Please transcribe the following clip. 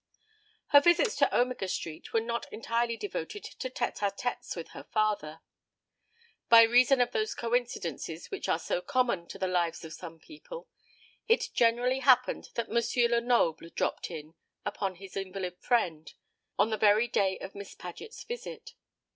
Her visits to Omega Street were not entirely devoted to tête a têtes with her father. By reason of those coincidences which are so common to the lives of some people, it generally happened that M. Lenoble dropped in upon his invalid friend on the very day of Miss Paget's visit.